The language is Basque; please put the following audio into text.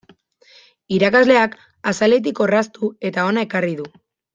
Irakasleak axaletik orraztu eta hona ekarri du.